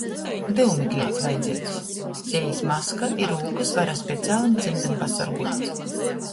Dyumekleits vajadzeigs, sejis maska i rūkys var ar specialim cymdim pasorguot.